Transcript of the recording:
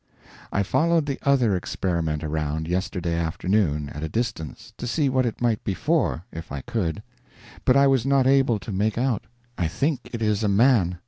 I followed the other Experiment around, yesterday afternoon, at a distance, to see what it might be for, if I could. But I was not able to make out. I think it is a man.